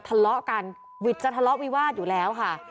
ทะเลาะกันวิทย์ทะเลาะวิวาทอยู่ที่เลียว